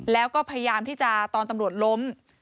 แล้วก็พยายามที่จะตอนตำรวจล้ม